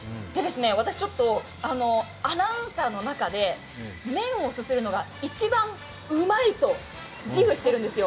私ちょっとアナウンサーの中で麺をすするのが一番うまいと自負しているんですよ。